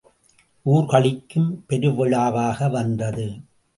ஊர் களிக்கும் பெரு விழாவாக வந்தது.